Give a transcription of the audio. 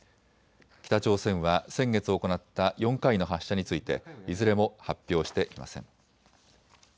北朝鮮は先月行った４回の発射についていずれも発表していません。